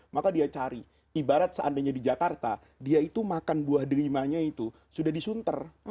maka dia cari ibarat seandainya di jakarta dia itu makan buah delimanya itu sudah disunter